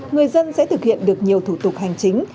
người dân sẽ thực hiện được nhiều thủ tục hành chính